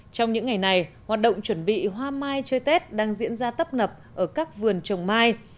trong những ngày này hoạt động chuẩn bị hoa mai chơi tết đang diễn ra tấp nập ở các vườn trồng mai